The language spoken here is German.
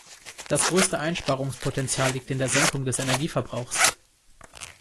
Das größte Einsparungspotenzial liegt in der Senkung des Energieverbrauchs.